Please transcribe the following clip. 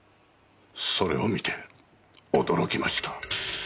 それを見て驚きました。